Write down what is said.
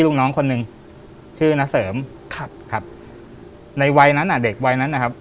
ลูกน้องคนหนึ่งชื่อนาเสริมครับครับในวัยนั้นอ่ะเด็กวัยนั้นนะครับ